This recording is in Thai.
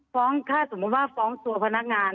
ถ้าสมมุติว่าฟ้องตัวพนักงาน